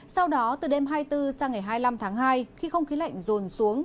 sau đó từ đêm hai mươi bốn sang ngày hai mươi năm tháng hai khi không khí lạnh rồn xuống